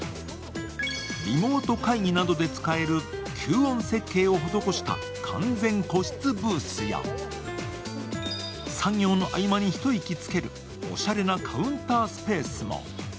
リモート会議などで使える吸音設計を施した完全個室ブースや、作業の合間に一息つけるおしゃれなカウンタースペースも。